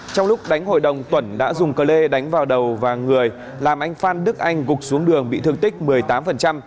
trong lúc đánh hội đồng tuẩn đã dùng cờ lê đánh vào đầu và người làm anh phan đức anh gục xuống đường bị thương tích một mươi tám